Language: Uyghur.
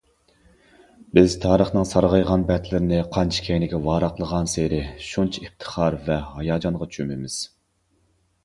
بىز تارىخنىڭ سارغايغان بەتلىرىنى قانچە كەينىگە ۋاراقلىغانسېرى شۇنچە ئىپتىخار ۋە ھاياجانغا چۆمىمىز.